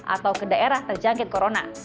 atau ke daerah terjangkit corona